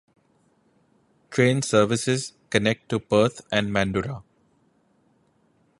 Train services connect to Perth and Mandurah.